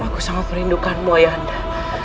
aku sangat merindukanmu ayah anda